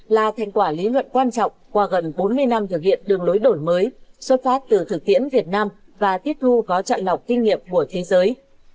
là thành quả lý luận quan trọng qua gần bốn mươi năm thực hiện đường lối đổi mới xuất phát từ thực tiễn việt nam và tiếp thu có trận lọc kinh nghiệm của thế giới